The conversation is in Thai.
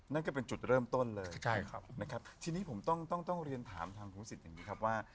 นั่นก็เป็นจุดเริ่มต้นเลยใช่ครับนะครับทีนี้ผมต้องต้องเรียนถามทางครูสิทธิอย่างนี้ครับว่า